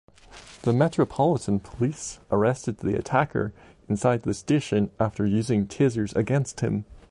The Metropolitan Police arrested the attacker inside the station after using Tasers against him.